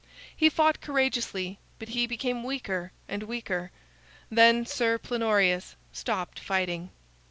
He fought courageously, but he became weaker and weaker. Then Sir Plenorius stopped fighting.